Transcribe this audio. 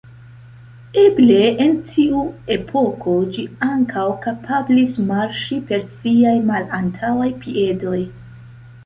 Eble en tiu epoko ĝi ankaŭ kapablis marŝi per siaj malantaŭaj piedoj.